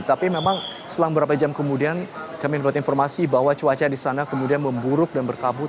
tapi memang selang beberapa jam kemudian kami mendapat informasi bahwa cuaca di sana kemudian memburuk dan berkabut